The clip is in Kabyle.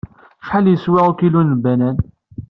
Acḥal i yeswa ukilu n lbanan?